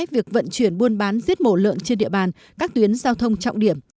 việc vận chuyển buôn bán giết mổ lợn trên địa bàn các tuyến giao thông trọng điểm